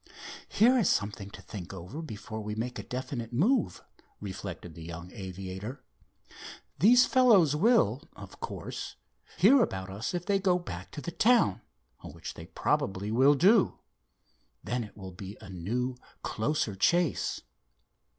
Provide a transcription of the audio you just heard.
"Here is something to think over before we make a definite move," reflected the young aviator. "These fellows will, of course, hear about us if they go back to the town, which they probably will do. Then it will be a new, closer chase."